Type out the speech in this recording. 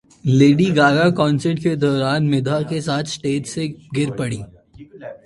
lady Gaga concert کے دوران مداح کے ساتھ اسٹیج سے گر پڑیں